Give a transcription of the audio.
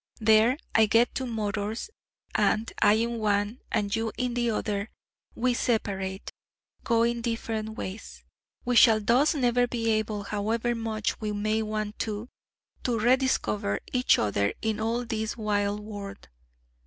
There I get two motors, and I in one, and you in the other, we separate, going different ways. We shall thus never be able, however much we may want to, to rediscover each other in all this wide world.